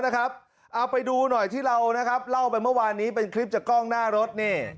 เอาไปดูหน่อยที่เรานะครับเล่าไปเมื่อวานนี้เป็นคลิปจากกล้องหน้ารถนี่